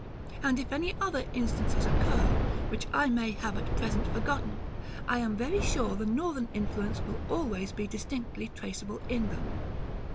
And if any other instances occur, which I may have at present forgotten, I am very sure the Northern influence will always be distinctly traceable in them.